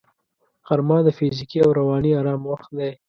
غرمه د فزیکي او رواني آرام وخت دی